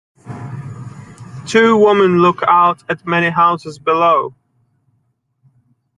Two women look out at many houses below.